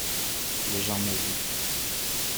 Les gens maudits.